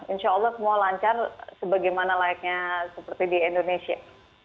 insya allah semua lancar sebagaimana layaknya seperti di indonesia